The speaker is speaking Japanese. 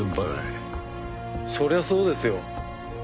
そりゃそうですよ。